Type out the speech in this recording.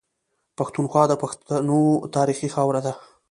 پښتونخوا د پښتنو تاريخي خاوره ده.